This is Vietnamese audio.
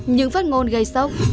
những phát ngôn gây sốc